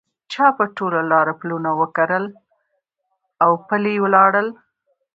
چا په ټول لاره پلونه وکرل اوپلي ولاړه